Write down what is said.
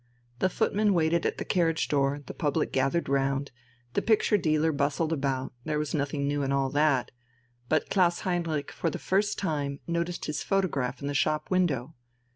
The footman waited at the carriage door, the public gathered round, the picture dealer bustled about there was nothing new in all that. But Klaus Heinrich for the first time noticed his photograph in the shop window.